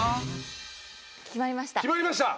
決まりました？